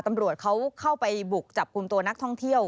ตำรวจเขาเข้าไปบุกจับกลุ่มตัวนักท่องเที่ยว